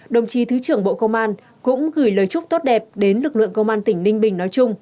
đồng chí thứ trưởng bộ công an cũng gửi lời chúc tốt đẹp đến lực lượng công an tỉnh ninh bình nói chung